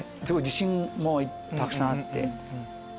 自信もたくさんあって。